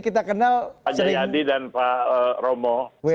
pak jaya di dan pak romo